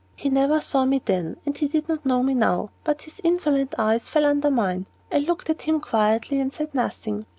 He never saw me then, and he did not know me now; but his insolent eyes fell under mine. I looked at him quietly, and said nothing.